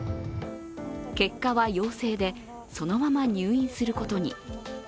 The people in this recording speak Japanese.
結果は陽性で、そのまま入院することに。